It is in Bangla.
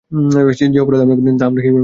যে অপরাধ আমরা করিনি তা আমরা কীভাবে মেনে নেব?